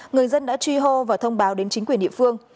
người dân đã truy hô và thông báo đến chính quyền địa phương